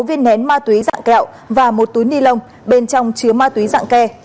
sáu viên nén ma túy dạng kẹo và một túi ni lông bên trong chứa ma túy dạng ke